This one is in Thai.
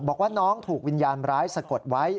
บอกว่าน้องถูกวิญญาณร้ายสะกดไว้